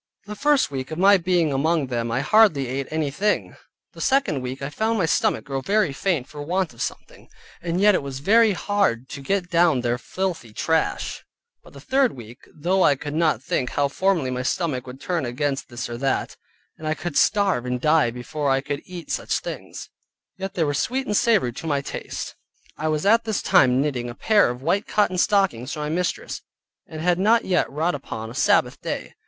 The first week of my being among them I hardly ate any thing; the second week I found my stomach grow very faint for want of something; and yet it was very hard to get down their filthy trash; but the third week, though I could think how formerly my stomach would turn against this or that, and I could starve and die before I could eat such things, yet they were sweet and savory to my taste. I was at this time knitting a pair of white cotton stockings for my mistress; and had not yet wrought upon a Sabbath day.